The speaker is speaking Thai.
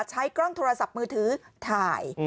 ใช้กล้องโทรศัพท์มือถือถ่าย